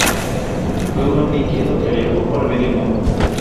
Fue un hombre inquieto que viajó por medio mundo.